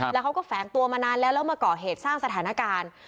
แล้วเขาก็แฝงตัวมานานแล้วแล้วมาก่อเหตุสร้างสถานการณ์